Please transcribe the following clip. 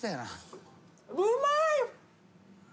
うまい」